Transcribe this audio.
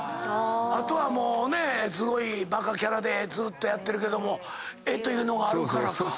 あとはもうねすごいバカキャラでずーっとやってるけども絵というのがあるからか。